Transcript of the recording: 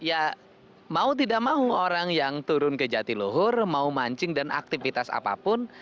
ya mau tidak mau orang yang turun ke jatiluhur mau mancing dan aktivitas apapun